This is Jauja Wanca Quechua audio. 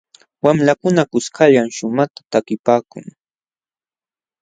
Wamlakuna kuskallam shumaqta takipaakun.